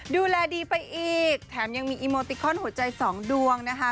ดูแลดีไปอีกแถมยังมีอีโมติคอนหัวใจสองดวงนะคะ